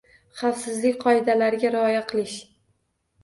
Xavfsizlik qoidalariga rioya qilish.